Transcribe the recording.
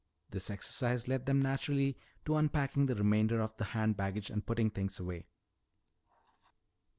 This exercise led them naturally to unpacking the remainder of the hand baggage and putting things away.